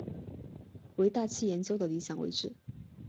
为大气研究的理想位置。